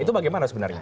itu bagaimana sebenarnya